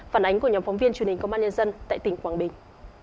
phản ánh của nhóm phóng viên truyền hình công an nhân dân tại tỉnh quảng bình